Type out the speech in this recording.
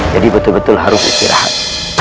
jadi betul betul harus istirahat